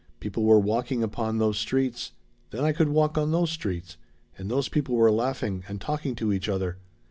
People were walking upon those streets. Then I could walk on those streets. And those people were laughing and talking to each other.